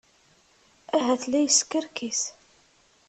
Ahat la yeskerkis.